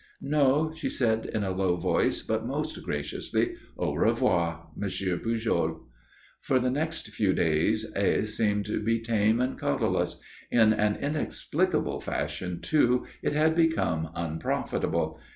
_" "No," she said in a low voice, but most graciously, "Au revoir, Monsieur Pujol." For the next few days Aix seemed to be tame and colourless. In an inexplicable fashion, too, it had become unprofitable.